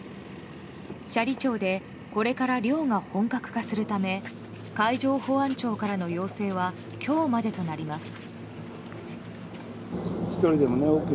斜里町でこれから漁が本格化するため海上保安庁からの要請は今日までとなります。